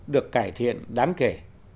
được cải thiện đáng kể